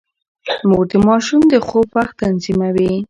مور د ماشوم د خوب وخت تنظيموي.